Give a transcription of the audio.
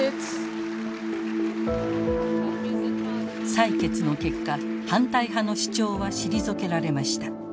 採決の結果反対派の主張は退けられました。